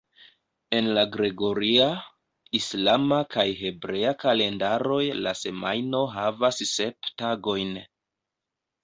En la gregoria, islama kaj hebrea kalendaroj la semajno havas sep tagojn.